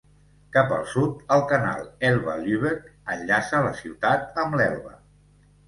Cap al sud, el canal Elba-Lübeck enllaça la ciutat amb l'Elba.